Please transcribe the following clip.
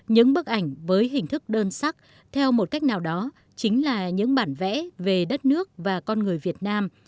những bức ảnh với hình thức đơn sắc theo một cách nào đó chính là những bản vẽ về đất nước và con người việt nam